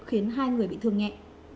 khiến hai người bị thương nhẹ